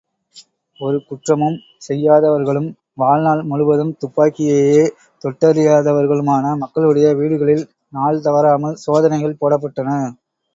ஒரு குற்றமும் செய்யாதவர்களும், வாழ்நாள் முழுவதும் துப்பாக்கியையே தொட்டறியாதவர்களுமான மக்களுடைய வீடுகளில் நாள் தவறாமல் சோதனைகள் போடப்பட்டன.